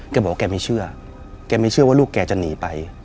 แกบอกว่าแกไม่เชื่อแกไม่เชื่อว่าลูกแกจะหนีไป